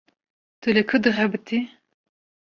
Tu li ku dixebitî?